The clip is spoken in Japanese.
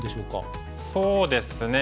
そうですね